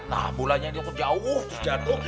nah bolanya jauh dijatuh